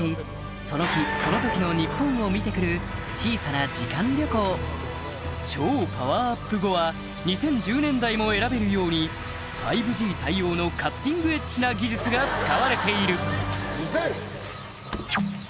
その日その時の日本を見て来る小さな時間旅行超パワーアップ後は２０１０年代も選べるように５Ｇ対応のカッティング・エッジな技術が使われている２０００。